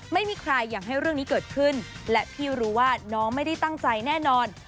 ไม่มีใครอยากให้เรื่องนี้เกิดขึ้นและพี่รู้ว่าน้องไม่ได้ตั้งใจแน่นอน